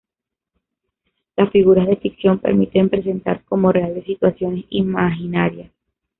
Las figuras de ficción permiten presentar como reales situaciones imaginarias.